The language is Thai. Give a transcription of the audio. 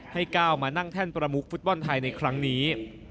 ก้าวมานั่งแท่นประมุกฟุตบอลไทยในครั้งนี้